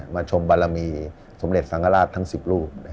ชมบารมีสมเด็จสังฆราชทั้ง๑๐รูป